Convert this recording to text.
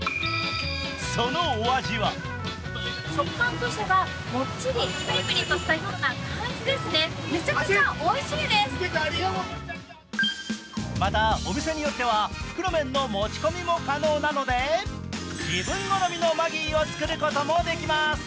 そのお味はまた、お店によっては袋麺の持ち込みも可能なので自分好みのマギーを作ることもできます。